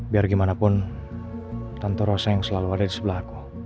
biar gimana pun tante rosa yang selalu ada di sebelah aku